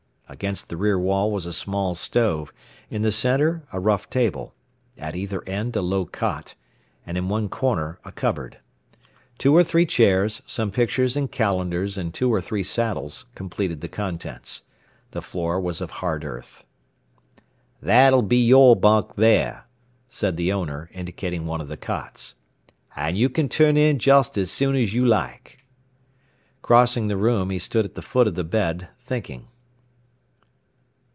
Against the rear wall was a small stove, in the center a rough table, at either end a low cot, and in one corner a cupboard. Two or three chairs, some pictures and calendars and two or three saddles completed the contents. The floor was of hard earth. "That'll be your bunk there," said the owner, indicating one of the cots. "And you can turn in just as soon as you like." Crossing the room, he stood at the foot of the bed, thinking.